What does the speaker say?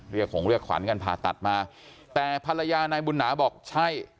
ของเรียกขวัญกันผ่าตัดมาแต่ภรรยานายบุญนาบอกใช่